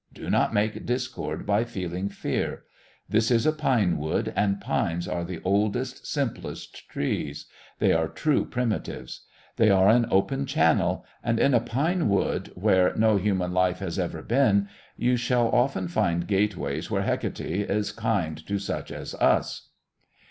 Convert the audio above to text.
Do not make discord by feeling fear. This is a pine wood, and pines are the oldest, simplest trees; they are true primitives. They are an open channel; and in a pine wood where no human life has ever been you shall often find gateways where Hecate is kind to such as us."